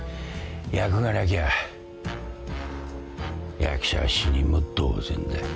役がなきゃ役者は死人も同然だ。